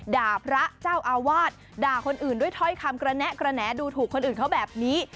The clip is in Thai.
พระเจ้าอาวาสด่าคนอื่นด้วยถ้อยคำกระแนะกระแหนดูถูกคนอื่นเขาแบบนี้